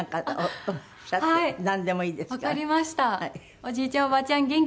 おじいちゃんおばあちゃん元気？